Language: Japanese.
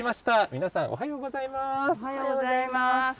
皆さん、おはようおはようございます。